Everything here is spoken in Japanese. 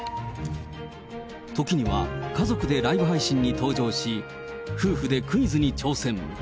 時には家族でライブ配信に登場し、夫婦でクイズに挑戦。